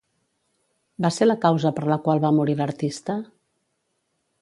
Va ser la causa per la qual va morir l'artista?